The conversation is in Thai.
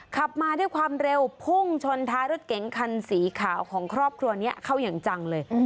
ขับมาด้วยความเร็วพุ่งชนท้ายรถเก๋งคันสีขาวของครอบครัวนี้เข้าอย่างจังเลย